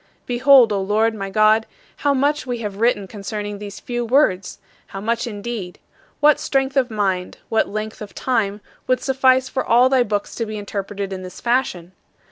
Behold, O Lord, my God, how much we have written concerning these few words how much, indeed! What strength of mind, what length of time, would suffice for all thy books to be interpreted in this fashion?